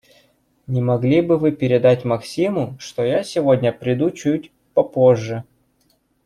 Не могли бы Вы передать Максиму, что я сегодня приду чуть попозже?